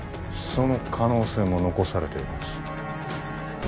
その可能性も残されています